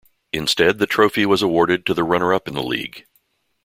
Instead the trophy was awarded to the runner-up in the League.